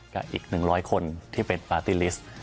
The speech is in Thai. กับอีก๑๐๐คนที่เป็นปาร์ตี้ลิสต์